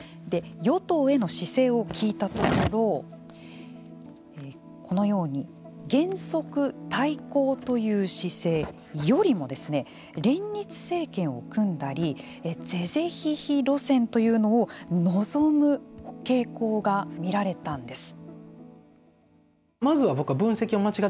与党への姿勢を聞いたところこのように、原則対抗という姿勢よりも連立政権を組んだり是々非々路線というのを望む傾向が見られたんです。